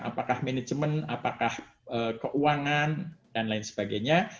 apakah manajemen apakah keuangan dan lain sebagainya